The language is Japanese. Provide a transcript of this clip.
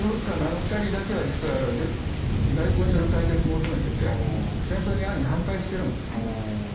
実は外交による解決を求めていて戦争に安易に反対しているんです。